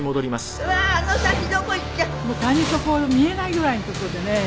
谷底見えないぐらいの所でね